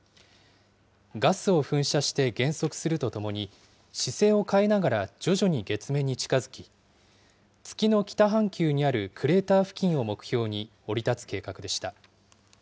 ガスを噴射して減速するとともに、姿勢を変えながら徐々に月面に近づき、月の北半球にあるクレーター付近を目標に降り立つ計画でした。